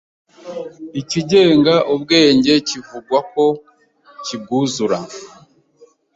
"Ikigenga ubwenge kivugwa ko kibwuzura,"